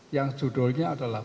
yang judulnya adalah